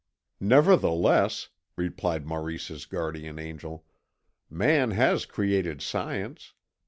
"Nevertheless," replied Maurice's guardian angel, "man has created science.